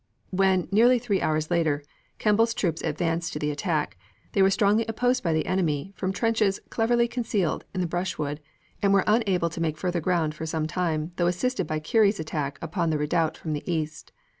When, nearly three hours later, Kemball's troops advanced to the attack, they were strongly opposed by the enemy from trenches cleverly concealed in the brushwood, and were unable to make further ground for some time, though assisted by Keary's attack upon the redoubt from the east.